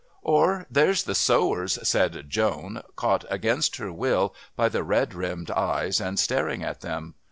"Or there's The Sowers," said Joan, caught against her will by the red rimmed eyes and staring at them.